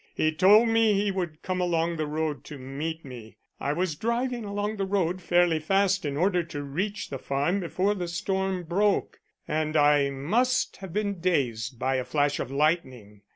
He told me he would come along the road to meet me. I was driving along the road fairly fast in order to reach the farm before the storm broke, and I must have been dazed by a flash of lightning.